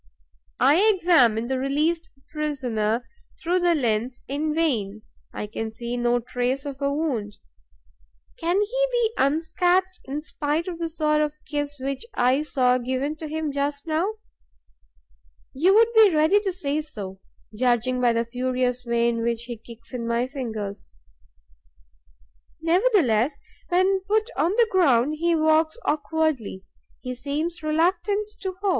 I examine the released prisoner through the lens in vain; I can see no trace of a wound. Can he be unscathed, in spite of the sort of kiss which I saw given to him just now? You would be ready to say so, judging by the furious way in which he kicks in my fingers. Nevertheless, when put on the ground, he walks awkwardly, he seems reluctant to hop.